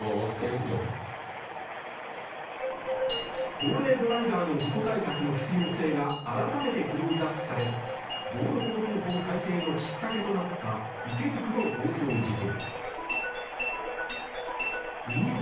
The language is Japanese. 高齢ドライバーの事故対策の必要性が改めてクローズアップされ道路交通法改正のきっかけとなった池袋暴走事故。